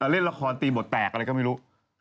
เล่นละครตีบทแตกอะไรก็ไม่รู้